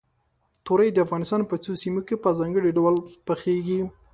تورۍ د افغانستان په څو سیمو کې په ځانګړي ډول پخېږي.